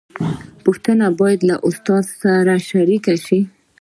پوښتنې باید له استاد سره شریکې شي.